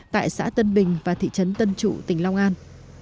tại xã tân bình và thị trấn tân trụ tỉnh long an